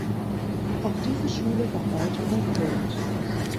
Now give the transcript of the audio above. Auch diese Schule war bald überfüllt.